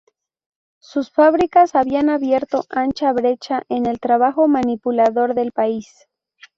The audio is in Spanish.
Sus fábricas habían abierto ancha brecha en el trabajo manipulador del país.